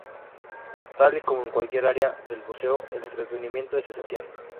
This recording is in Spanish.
Tal y como en cualquier área del buceo, el entrenamiento es esencial.